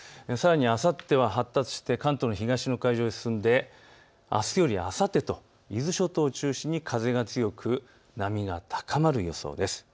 さらにあさっては発達して関東の東の海上へ進んであすよりあさってと伊豆諸島を中心に風が強く波が高まる予想です。